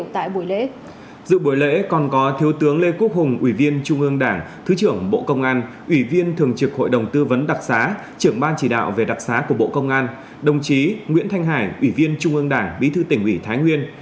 tại buổi lễ dự buổi lễ còn có thiếu tướng lê quốc hùng ủy viên trung ương đảng thứ trưởng bộ công an ủy viên thường trực hội đồng tư vấn đặc xá trưởng ban chỉ đạo về đặc xá của bộ công an đồng chí nguyễn thanh hải ủy viên trung ương đảng bí thư tỉnh ủy thái nguyên